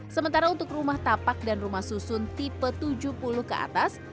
sementara untuk rumah tapak dan rumah susun tipe tujuh puluh ke atas